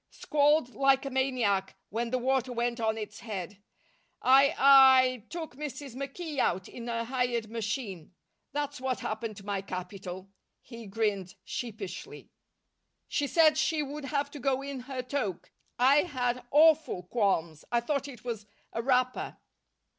Squalled like a maniac when the water went on its head. I I took Mrs. McKee out in a hired machine. That's what happened to my capital." He grinned sheepishly. "She said she would have to go in her toque. I had awful qualms. I thought it was a wrapper."